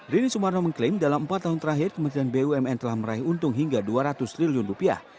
rini sumarno mengklaim dalam empat tahun terakhir kementerian bumn telah meraih untung hingga dua ratus triliun rupiah